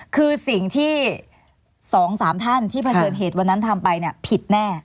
คือสิ่งที่๒๓ท่านที่เผชิญเหตุวันนั้นทำไปเนี่ยผิดแน่